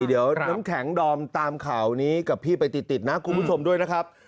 เดี๋ยวน้ำแข็งดอมตามข่าวนี้กับพี่ไปติดนะคุณผู้ชมด้วยนะครับ